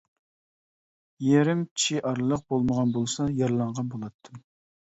يېرىم چى ئارىلىق بولمىغان بولسا يارىلانغان بولاتتىم.